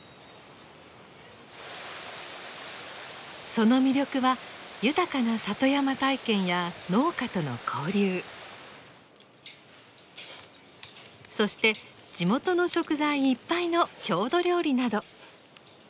その魅力は豊かな里山体験や農家との交流そして地元の食材いっぱいの郷土料理など。